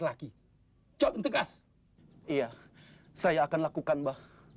lagi mbah kecuali